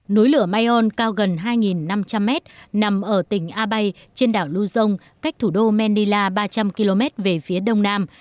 núi lửa mayon cao gần hai năm trăm linh mét nằm ở tỉnh abay trên đảo luzon cách thủ đô manila ba trăm linh km về phía đông nam